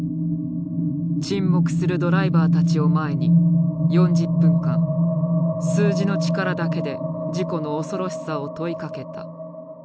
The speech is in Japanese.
沈黙するドライバーたちを前に４０分間数字の力だけで事故の恐ろしさを問いかけた。